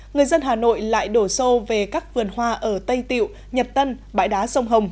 người dân hà nội lại đổ xô về các vườn hoa ở tây tiệu nhật tân bãi đá sông hồng